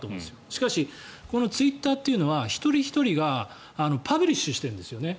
しかし、ツイッターというのは一人ひとりがパブリッシュしてるんですよね。